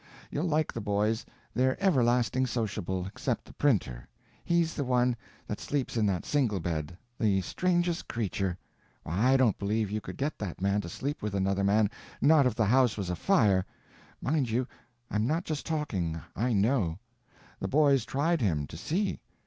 You'll like the boys, they're everlasting sociable—except the printer. He's the one that sleeps in that single bed—the strangest creature; why, I don't believe you could get that man to sleep with another man, not if the house was afire. Mind you, I'm not just talking, I know. The boys tried him, to see.